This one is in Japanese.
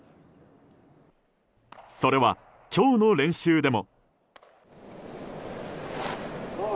それは今日の練習でも。